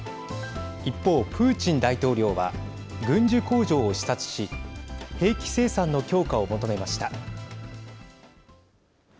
一方、プーチン大統領は軍需工場を視察し兵器生産の強化を求めました。